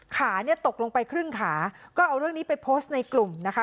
ขาเนี่ยตกลงไปครึ่งขาก็เอาเรื่องนี้ไปโพสต์ในกลุ่มนะคะ